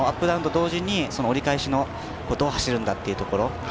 ダウンと同時に折り返しどう走るんだというところ。